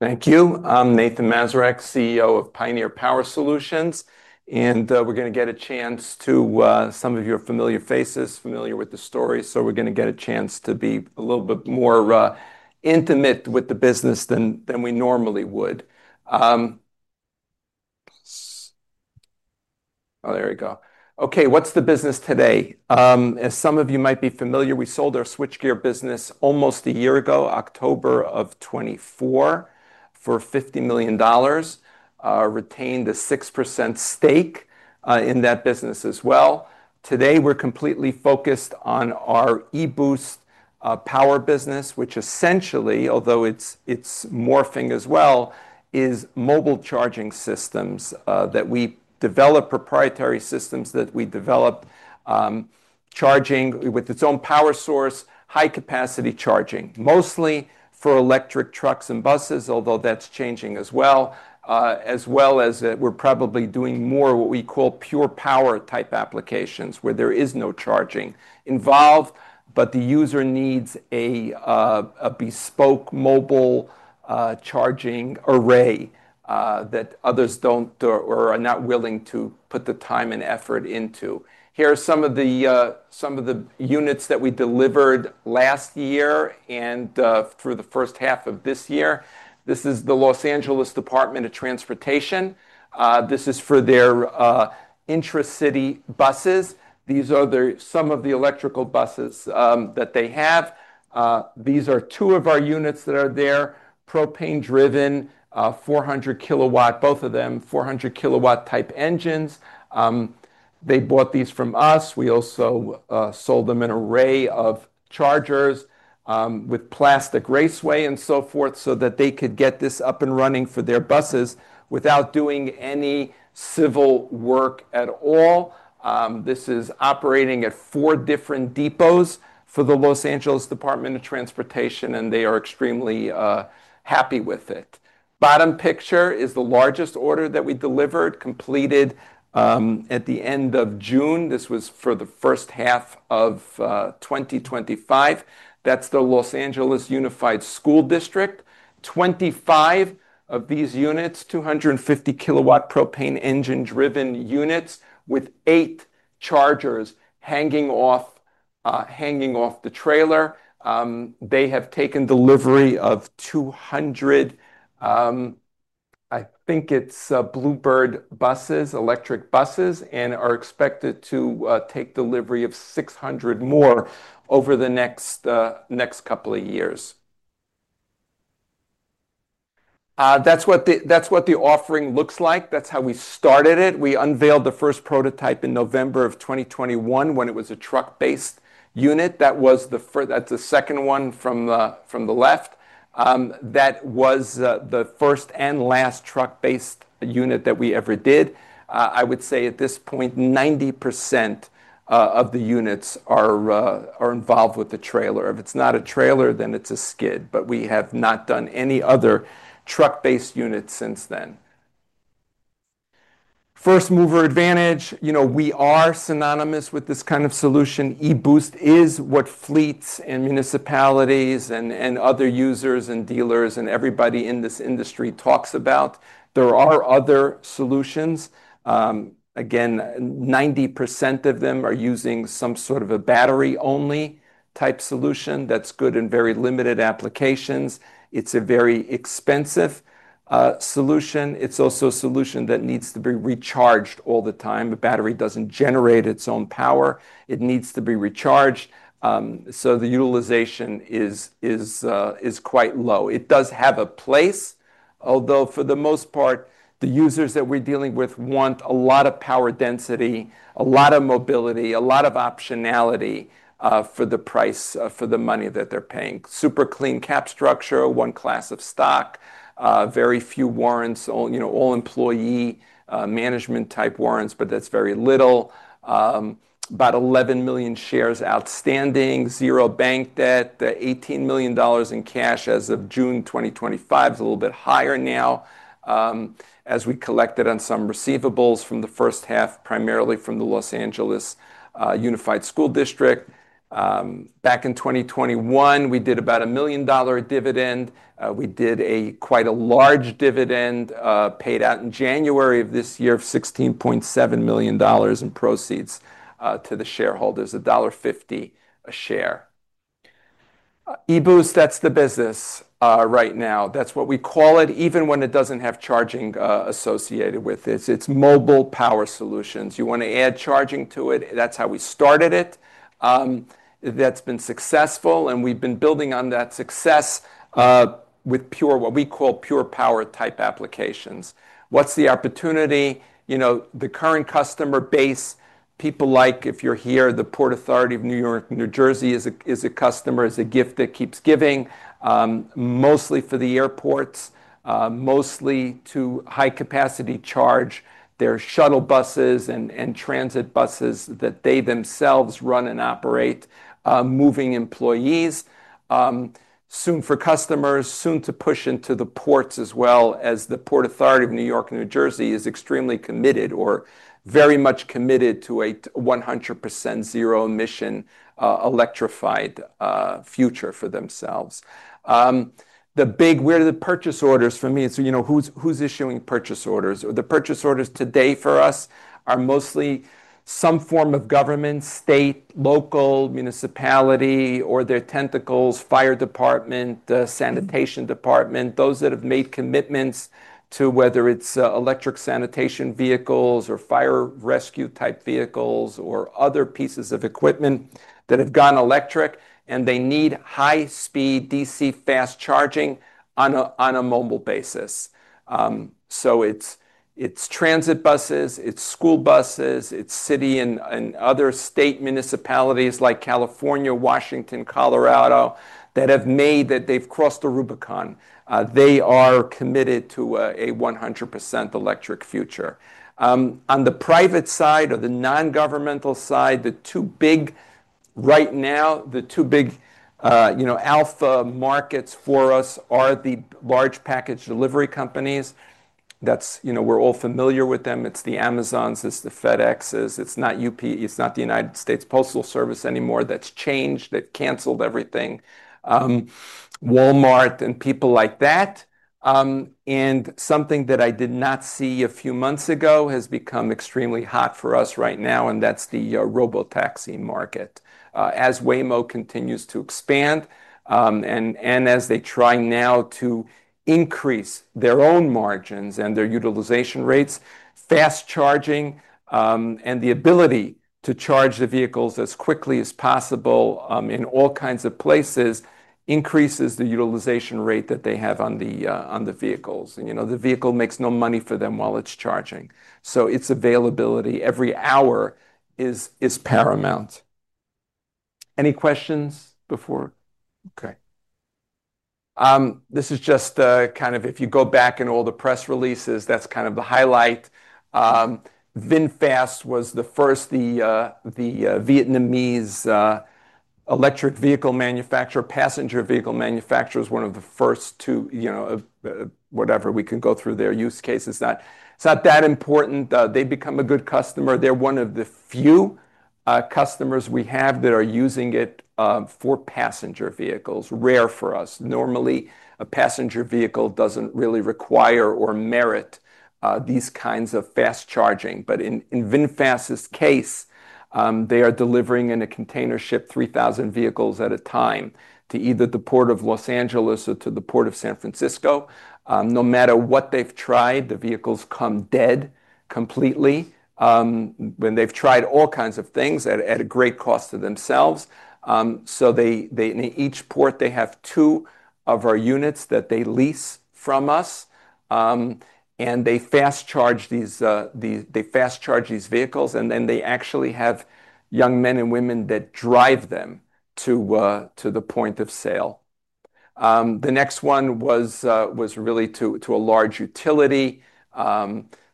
Thank you. I'm Nathan Mazurek, CEO of Pioneer Power Solutions, and we're going to get a chance to, some of your familiar faces, familiar with the story. We're going to get a chance to be a little bit more intimate with the business than we normally would. Oh, there we go. Okay. What's the business today? As some of you might be familiar, we sold our switchgear business almost a year ago, October of 2024, for $50 million. Retained a 6% stake in that business as well. Today, we're completely focused on our eBoost power business, which essentially, although it's morphing as well, is mobile charging systems that we develop, proprietary systems that we develop, charging with its own power source, high-capacity charging, mostly for electric trucks and buses, although that's changing as well. As well as we're probably doing more what we call pure power type applications where there is no charging involved, but the user needs a bespoke mobile charging array that others don't or are not willing to put the time and effort into. Here are some of the units that we delivered last year and through the first half of this year. This is the Los Angeles Department of Transportation. This is for their intra-city buses. These are some of the electric buses that they have. These are two of our units that are there, propane-driven, 400 kilowatt, both of them 400 kilowatt type engines. They bought these from us. We also sold them an array of chargers with plastic raceway and so forth so that they could get this up and running for their buses without doing any civil work at all. This is operating at four different depots for the Los Angeles Department of Transportation, and they are extremely happy with it. Bottom picture is the largest order that we delivered completed at the end of June. This was for the first half of 2025. That's the Los Angeles Unified School District. 25 of these units, 250 kilowatt propane engine-driven units with eight chargers hanging off the trailer. They have taken delivery of 200, I think it's Bluebird buses, electric buses, and are expected to take delivery of 600 more over the next couple of years. That's what the offering looks like. That's how we started it. We unveiled the first prototype in November of 2021 when it was a truck-based unit. That was the first, that's the second one from the left. That was the first and last truck-based unit that we ever did. I would say at this point, 90% of the units are involved with the trailer. If it's not a trailer, then it's a skid, but we have not done any other truck-based units since then. First mover advantage, you know, we are synonymous with this kind of solution. eBoost is what fleets and municipalities and other users and dealers and everybody in this industry talks about. There are other solutions. Again, 90% of them are using some sort of a battery-only type solution that's good in very limited applications. It's a very expensive solution. It's also a solution that needs to be recharged all the time. The battery doesn't generate its own power. It needs to be recharged. Utilization is quite low. It does have a place, although for the most part, the users that we're dealing with want a lot of power density, a lot of mobility, a lot of optionality for the price, for the money that they're paying. Super clean capital structure, one class of stock, very few warrants, all employee management type warrants, but that's very little. About 11 million shares outstanding, zero bank debt, $18 million in cash as of June 2025. It's a little bit higher now as we collected on some receivables from the first half, primarily from the Los Angeles Unified School District. Back in 2021, we did about a $1 million dividend. We did quite a large dividend paid out in January of this year, $16.7 million in proceeds to the shareholders, $1.50 a share. eBoost, that's the business right now. That's what we call it, even when it doesn't have charging associated with it. It's mobile power solutions. You want to add charging to it. That's how we started it. That's been successful, and we've been building on that success with what we call pure power type applications. What's the opportunity? The current customer base, people like, if you're here, the Port Authority of New York and New Jersey is a customer, is a gift that keeps giving, mostly for the airports, mostly to high-capacity charge. There are shuttle buses and transit buses that they themselves run and operate, moving employees. Soon for customers, soon to push into the ports as well, as the Port Authority of New York and New Jersey is extremely committed or very much committed to a 100% zero emission electrified future for themselves. The big, where are the purchase orders for me? You know, who's issuing purchase orders? The purchase orders today for us are mostly some form of government, state, local, municipality, or their tentacles, fire department, sanitation department, those that have made commitments to whether it's electric sanitation vehicles or fire rescue type vehicles or other pieces of equipment that have gone electric and they need high-speed DC fast charging on a mobile basis. It's transit buses, it's school buses, it's city and other state municipalities like California, Washington, Colorado that have made that they've crossed the Rubicon. They are committed to a 100% electric future. On the private side or the non-governmental side, the two big right now, the two big, you know, alpha markets for us are the large package delivery companies. That's, you know, we're all familiar with them. It's the Amazons, it's the FedExs. It's not UP, it's not the United States Postal Service anymore. That's changed, that canceled everything. Walmart and people like that. Something that I did not see a few months ago has become extremely hot for us right now, and that's the robotaxi market. As Waymo continues to expand and as they try now to increase their own margins and their utilization rates, fast charging and the ability to charge the vehicles as quickly as possible in all kinds of places increases the utilization rate that they have on the vehicles. You know, the vehicle makes no money for them while it's charging. Its availability every hour is paramount. Any questions before? Okay. This is just kind of, if you go back in all the press releases, that's kind of the highlight. VinFast was the first, the Vietnamese electric vehicle manufacturer, passenger vehicle manufacturer, was one of the first to, you know, whatever we can go through their use cases. It's not that important. They've become a good customer. They're one of the few customers we have that are using it for passenger vehicles, rare for us. Normally, a passenger vehicle doesn't really require or merit these kinds of fast charging. In VinFast's case, they are delivering in a container ship 3,000 vehicles at a time to either the port of Los Angeles or to the port of San Francisco. No matter what they've tried, the vehicles come dead completely when they've tried all kinds of things at a great cost to themselves. In each port, they have two of our units that they lease from us, and they fast charge these vehicles, and then they actually have young men and women that drive them to the point of sale. The next one was really to a large utility.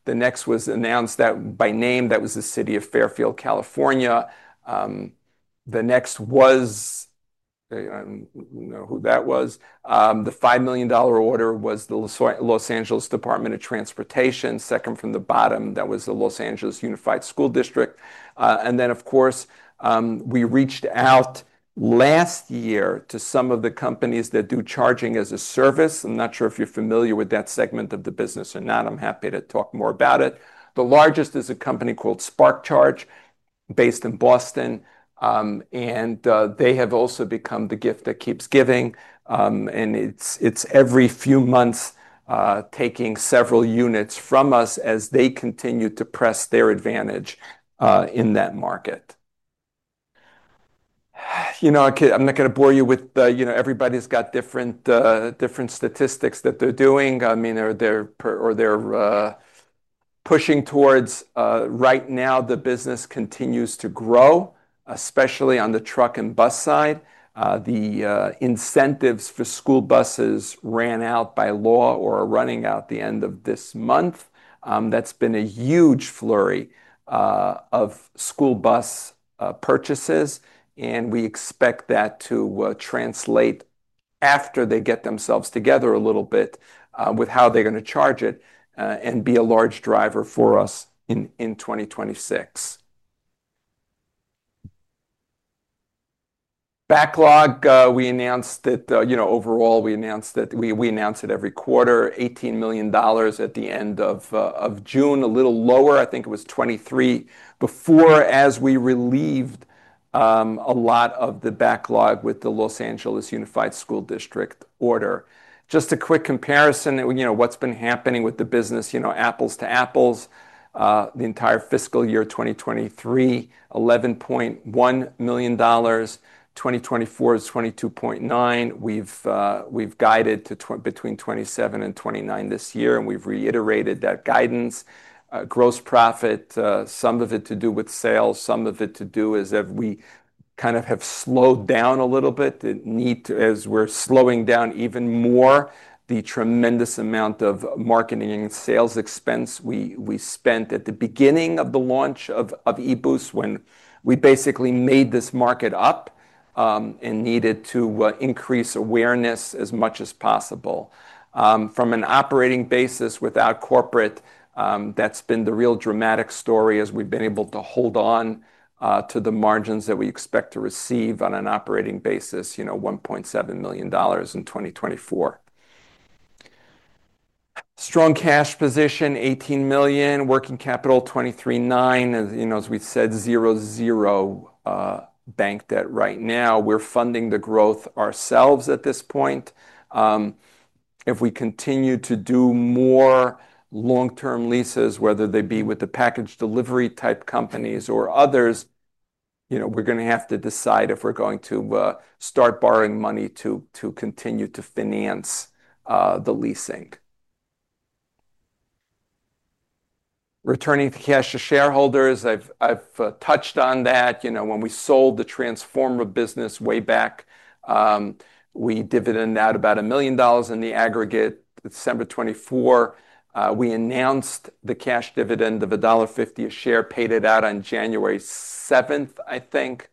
The next was announced by name, that was the city of Fairfield, California. The next was, I don't know who that was. The $5 million order was the Los Angeles Department of Transportation, second from the bottom, that was the Los Angeles Unified School District. Of course, we reached out last year to some of the companies that do charging as a service. I'm not sure if you're familiar with that segment of the business or not. I'm happy to talk more about it. The largest is a company called SparkCharge based in Boston, and they have also become the gift that keeps giving. It's every few months taking several units from us as they continue to press their advantage in that market. I'm not going to bore you with, you know, everybody's got different statistics that they're doing. I mean, they're pushing towards, right now, the business continues to grow, especially on the truck and bus side. The incentives for school buses ran out by law or are running out the end of this month. That's been a huge flurry of school bus purchases, and we expect that to translate after they get themselves together a little bit with how they're going to charge it and be a large driver for us in 2026. Backlog, we announced that, overall we announced that we announce it every quarter, $18 million at the end of June, a little lower. I think it was $23 million before as we relieved a lot of the backlog with the Los Angeles Unified School District order. Just a quick comparison, what's been happening with the business, apples to apples, the entire fiscal year 2023, $11.1 million. 2024 is $22.9 million. We've guided between $27 million and $29 million this year, and we've reiterated that guidance. Gross profit, some of it to do with sales, some of it to do is that we kind of have slowed down a little bit. The need to, as we're slowing down even more, the tremendous amount of marketing and sales expense we spent at the beginning of the launch of eBoost when we basically made this market up and needed to increase awareness as much as possible. From an operating basis without corporate, that's been the real dramatic story as we've been able to hold on to the margins that we expect to receive on an operating basis, you know, $1.7 million in 2024. Strong cash position, $18 million. Working capital, $23.9 million. You know, as we've said, $0 bank debt right now. We're funding the growth ourselves at this point. If we continue to do more long-term leases, whether they be with the package delivery type companies or others, you know, we're going to have to decide if we're going to start borrowing money to continue to finance the leasing. Returning to cash to shareholders, I've touched on that. You know, when we sold the Transformer business way back, we dividend out about $1 million in the aggregate December 2024. We announced the cash dividend of $1.50 a share, paid it out on January 7th, I think.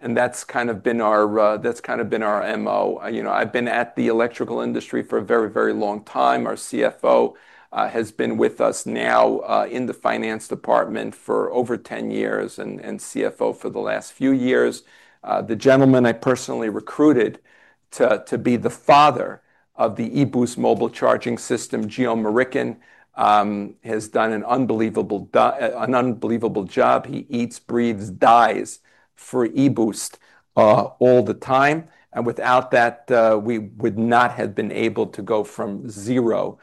That's kind of been our, that's kind of been our MO. You know, I've been at the electrical industry for a very, very long time. Our CFO has been with us now in the finance department for over 10 years and CFO for the last few years. The gentleman I personally recruited to be the father of the eBoost mobile charging system, Geo Murickan, has done an unbelievable job. He eats, breathes, dies for eBoost all the time. Without that, we would not have been able to go from zero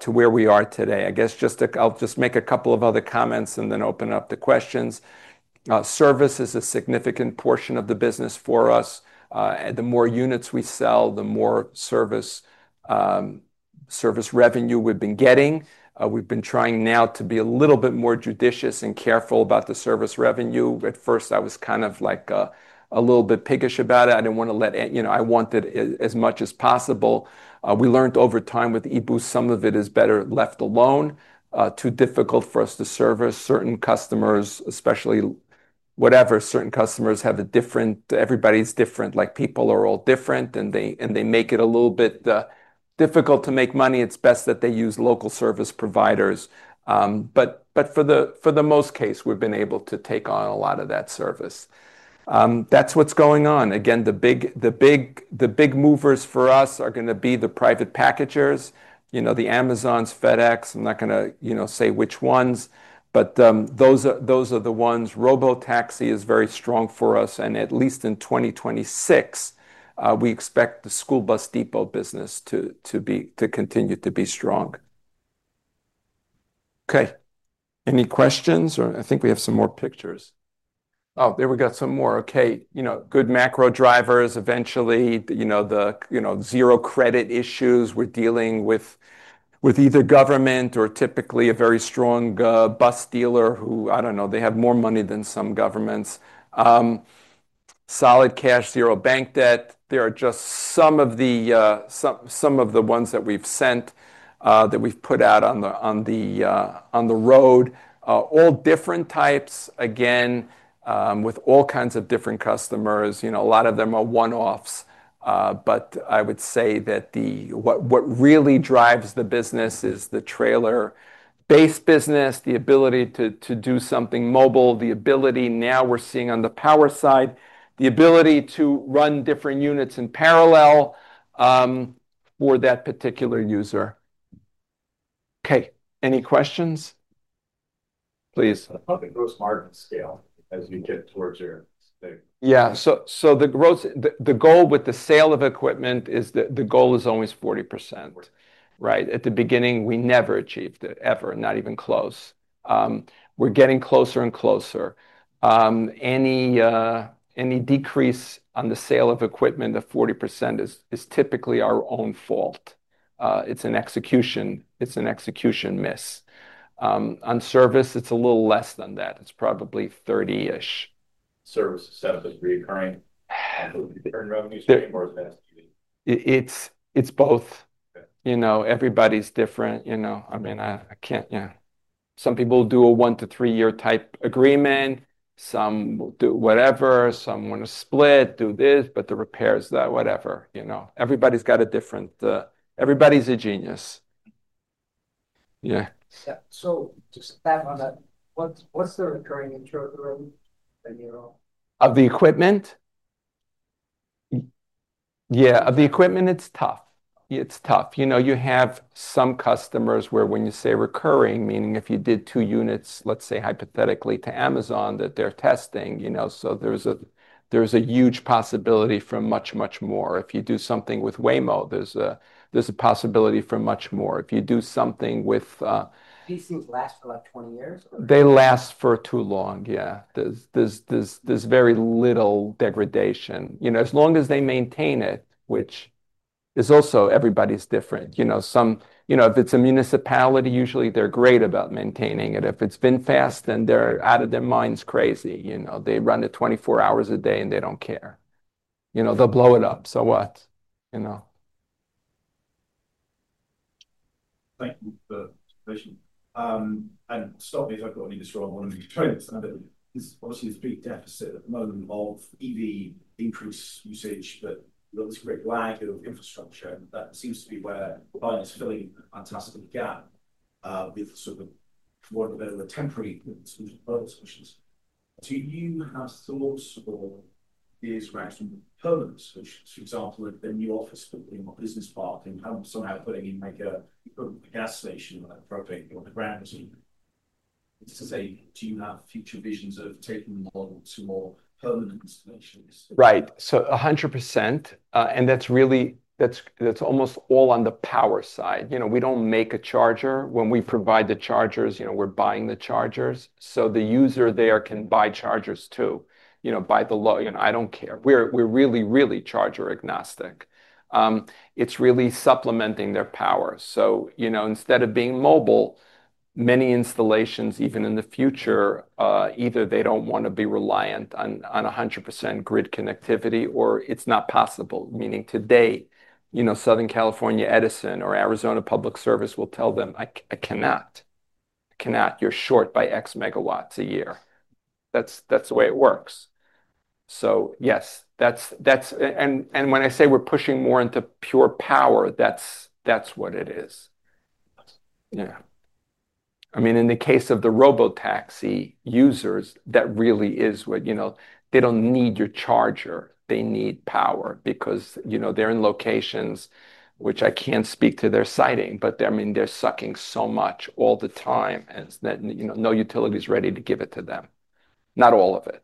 to where we are today. I'll just make a couple of other comments and then open up the questions. Service is a significant portion of the business for us. The more units we sell, the more service revenue we've been getting. We've been trying now to be a little bit more judicious and careful about the service revenue. At first, I was kind of like a little bit pickish about it. I didn't want to let, you know, I wanted as much as possible. We learned over time with eBoost, some of it is better left alone. Too difficult for us to service certain customers, especially whatever certain customers have a different, everybody's different, like people are all different and they make it a little bit difficult to make money. It's best that they use local service providers. For the most case, we've been able to take on a lot of that service. That's what's going on. Again, the big movers for us are going to be the private packagers, you know, the Amazons, FedEx. I'm not going to, you know, say which ones, but those are the ones. Robotaxi is very strong for us, and at least in 2026, we expect the school bus depot business to continue to be strong. Any questions? I think we have some more pictures. There we got some more. Good macro drivers eventually, zero credit issues we're dealing with, with either government or typically a very strong bus dealer who, I don't know, they have more money than some governments. Solid cash, zero bank debt. There are just some of the ones that we've sent, that we've put out on the road, all different types, again, with all kinds of different customers. A lot of them are one-offs, but I would say that what really drives the business is the trailer-based business, the ability to do something mobile, the ability now we're seeing on the power side, the ability to run different units in parallel for that particular user. Any questions? Please. How do you go with market scale as you get towards your? Yeah. The goal with the sale of equipment is that the goal is always 40%. Right? At the beginning, we never achieved it ever, not even close. We're getting closer and closer. Any decrease on the sale of equipment of 40% is typically our own fault. It's an execution miss. On service, it's a little less than that. It's probably 30%-ish. Service is 75% recurring? It's both. Everybody's different. I mean, I can't, some people do a one to three-year type agreement. Some do whatever. Some want to split, do this, but the repairs, that, whatever. Everybody's got a different, everybody's a genius. Yeah. Just add on that, what's the recurring interest rate? Of the equipment? Yeah, of the equipment, it's tough. It's tough. You know, you have some customers where when you say recurring, meaning if you did two units, let's say hypothetically to Amazon that they're testing, you know, there's a huge possibility for much, much more. If you do something with Waymo, there's a possibility for much more. If you do something with. These things last for like 20 years? They last for too long. Yeah. There's very little degradation. As long as they maintain it, which is also, everybody's different. If it's a municipality, usually they're great about maintaining it. If it's VinFast, then they're out of their minds crazy. They run it 24 hours a day and they don't care. They'll blow it up. So what? You know. Stop me if I've got any strong ones. I'm just trying to understand it. This was his big deficit at the moment of EV increase usage, but there was a great grid infrastructure. That seems to be where the client's filling a fantastic gap with sort of more of a bit of a temporary solution. You have to launch support, the iteration of the permanent solutions. For example, a new office in your business park, and you haven't somehow put in a mega gas station for a big underground. It's to say, do you have future visions of taking the model to more permanent solutions? Right. 100%. That's really, that's almost all on the power side. We don't make a charger. When we provide the chargers, we're buying the chargers. The user there can buy chargers too. By the law, I don't care. We're really, really charger agnostic. It's really supplementing their power. Instead of being mobile, many installations, even in the future, either they don't want to be reliant on 100% grid connectivity or it's not possible. Meaning today, Southern California Edison or Arizona Public Service will tell them, I cannot. I cannot. You're short by X megawatts a year. That's the way it works. Yes, that's, and when I say we're pushing more into pure power, that's what it is. In the case of the robotaxi users, that really is what they don't need your charger. They need power because they're in locations, which I can't speak to their siting, but they're sucking so much all the time that no utility is ready to give it to them. Not all of it.